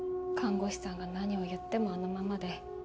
看護師さんが何を言ってもあのままで。